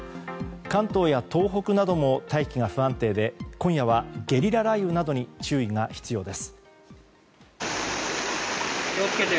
関東や東北なども大気が不安定で今夜はゲリラ雷雨などに注意が必要です。